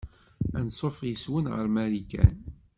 Anṣuf yes-wen ɣer Marikan.